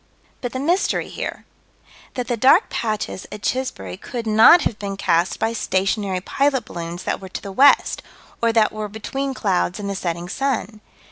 But the mystery here: That the dark patches at Chisbury could not have been cast by stationary pilot balloons that were to the west, or that were between clouds and the setting sun.